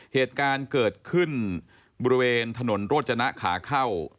เหตุการณ์เกิดขึ้นบริเวณถนนโรจนะขาเข้า